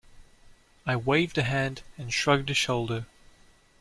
I waved a hand and shrugged a shoulder.